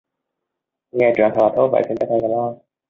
Nghe truyện thật là thú vị xin chân thành cảm ơn